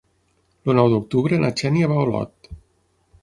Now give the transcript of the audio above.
El nou d'octubre na Xènia va a Olot.